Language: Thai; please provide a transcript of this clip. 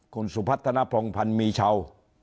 คุณสุภัทธนพลงพันธุ์มีเช่า